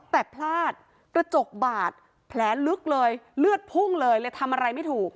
แต่พลาดกระจกบาดแผลลึกเลยเลือดพุ่งเลยเลยทำอะไรไม่ถูก